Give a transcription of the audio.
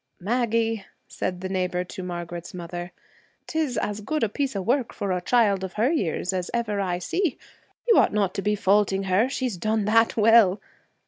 'Maggie,' said the neighbor to Margaret's mother. ''Tis as good a piece o' work for a child of her years as ever I see. You ought not to be faulting her, she's done that well.